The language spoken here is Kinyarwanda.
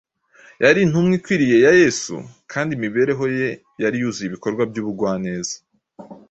Yari intumwa ikwiriye ya Yesu kandi imibereho ye yari yuzuye ibikorwa by’ubugwaneza.